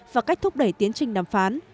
và cách thúc đẩy tiến trình đàm phán